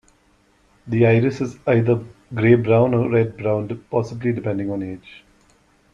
The iris is either grey-brown or red-brown, possibly depending on age.